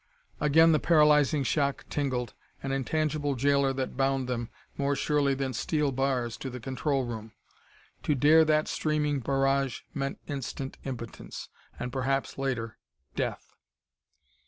Again the paralyzing shock tingled, an intangible jailer that bound them, more surely than steel bars, to the control room. To dare that streaming barrage meant instant impotence, and perhaps, later, death....